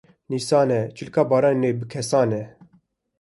Nîsan e çilka baranê bi kêsane